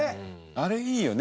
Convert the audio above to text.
あれいいよね。